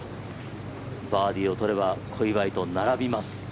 バーディーを取れば小祝と並びます。